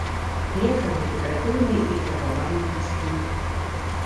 Лекавая, дэкаратыўная і фарбавальная расліна.